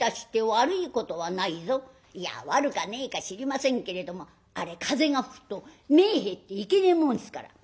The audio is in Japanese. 「いや悪かねえか知りませんけれどもあれ風が吹くと目ぇ入っていけねえもんですから」。